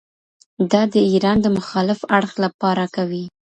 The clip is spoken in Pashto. دا د ايران د مخالف اړخ له پاره کوي.